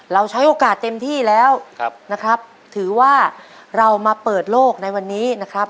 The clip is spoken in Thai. ใช้โอกาสเต็มที่แล้วนะครับถือว่าเรามาเปิดโลกในวันนี้นะครับ